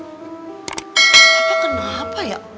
apa kenapa ya